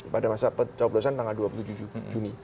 pada masa pencoblosan tanggal dua puluh tujuh juni